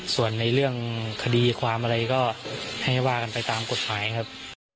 ส่วนในเรื่องคดีความอะไรก็ให้ว่ากันไปตามกฎหมายครับ